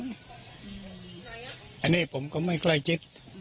คนนั้นเสียใจ